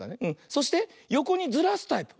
そしてよこにずらすタイプ。